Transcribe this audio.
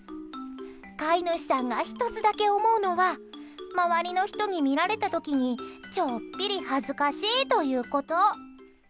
飼い主さんが１つだけ思うのは周りの人に見られた時にちょっぴり恥ずかしいということ。